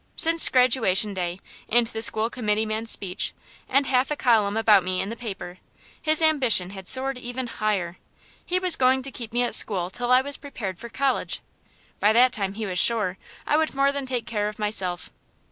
Since Graduation Day, and the school committeeman's speech, and half a column about me in the paper, his ambition had soared even higher. He was going to keep me at school till I was prepared for college. By that time, he was sure, I would more than take care of myself.